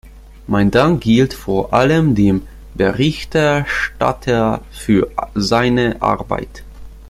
Mein Dank gilt vor allem dem Berichterstatter für seine Arbeit.